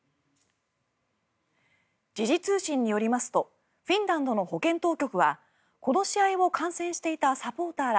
時事通信によりますとフィンランドの保健当局はこの試合を観戦していたサポーターら